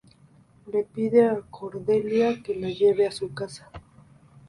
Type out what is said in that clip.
Le pide a Cordelia que la lleve a su casa.